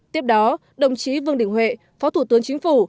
tiếp đó đồng chí vương đình huệ phó thủ tướng chính phủ